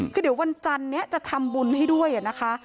คือเดี๋ยววันจันนี้จะทำบุญให้ด้วยนะคะ